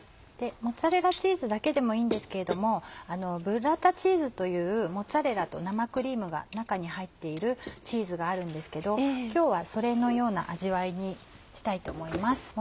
モッツァレラチーズだけでもいいんですけれどもブッラータチーズというモッツァレラと生クリームが中に入っているチーズがあるんですけど今日はそれのような味わいにしたいと思います。